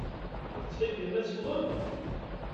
Tettḥibbim ad teffɣem?